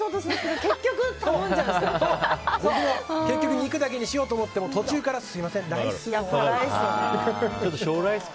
僕も結局肉だけにしようと思っても途中からすみません、ライスを。